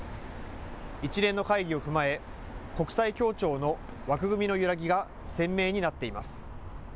一連の会議を踏まえ国際協調の枠組みの揺らぎが鮮明になっています。